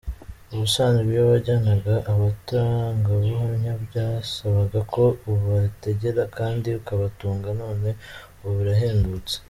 Ubusanzwe iyo wajyanaga abatangabuhamya byasabaga ko ubategera kandi ukabatunga, none ubu birahendutse.